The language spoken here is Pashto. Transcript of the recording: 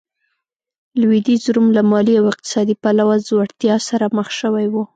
لوېدیځ روم له مالي او اقتصادي پلوه ځوړتیا سره مخ شوی و.